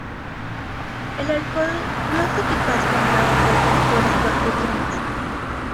El alcohol no es eficaz contra hongos o esporas bacterianas.